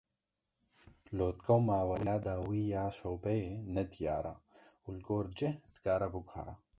Lûtke û maweya dawî ya şewbeyê nediyar e û li gor cih dikare biguhere.